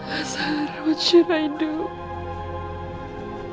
hazar apa yang harus saya lakukan